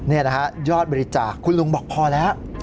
นี่นะฮะยอดบริจาคคุณลุงบอกพอแล้ว